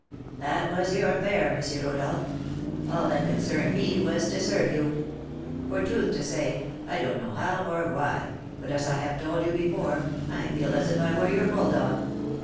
"That was your affair, M. Rodolph; all that concerned me was to serve you; for, truth to say, I don't know how or why, but, as I have told you before, I feel as if I were your bulldog.